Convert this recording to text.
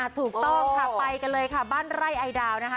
ถูกต้องค่ะไปกันเลยค่ะบ้านไร่ไอดาวนะคะ